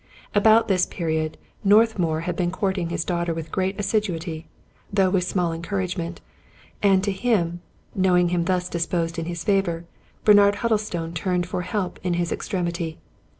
About this period, Northmour had been courting his daughter with great assiduity, though with small encouragement; and to him, knowing him thus disposed in his favor, Bernard Huddlestone turned for help in his extremity.